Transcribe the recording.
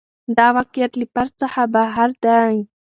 دا واقعیت له فرد څخه بهر دی.